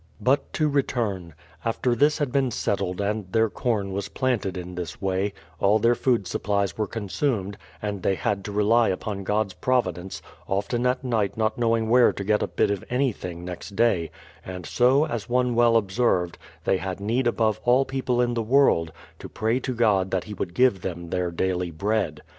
But to return. After this had been settled, and their corn was planted in this way, all their food supplies were consumed, and they had to rely upon God's providence, often at night not knowing where to get a bit of anything next day; and so, as one well observed, they had need above all people in the world, to pray to God that He would give them their daily bread.